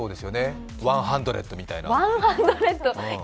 ワンハンドレットみたいな。